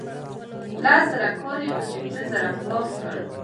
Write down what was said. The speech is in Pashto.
لس زره کار یې په پنځه زره خلاص کړ.